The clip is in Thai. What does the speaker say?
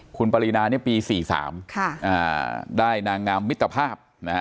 คุณปารีนานี่ปี๔๓ได้นางงามมิตรภาพ